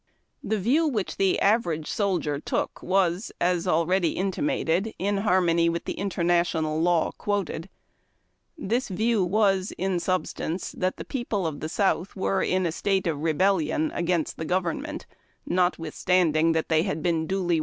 The view which the average soldier took was, as already intimated, in har mony with the international law quoted. This y'lew was, in substance, that the people of the South were in a state of rebellion against the government, notwithstanding that they had been duly A l)ISCO\i;UY.